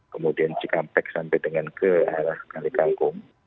kemudian cikampek sampai dengan ke arah kalikangkung